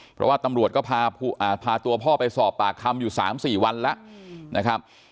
เพราะว่าตำรวจก็พาตัวพ่อไปสอบปากคำอยู่๓๔วันแล้วนะครับ